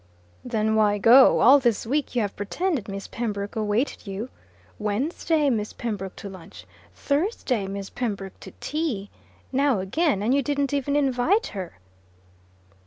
"Then why go? All this week you have pretended Miss Pembroke awaited you. Wednesday Miss Pembroke to lunch. Thursday Miss Pembroke to tea. Now again and you didn't even invite her."